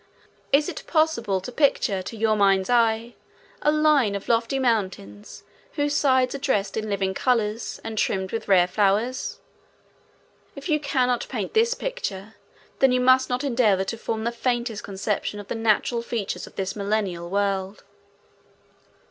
Is it possible to picture to your mind's eye a line of lofty mountains whose sides are dressed in living colors and trimmed with rare flowers? If you cannot paint this picture, then you must not endeavor to form the faintest conception of the natural features of this Millennial world.